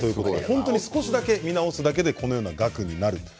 本当に少しだけ見直すだけでこのような額になる。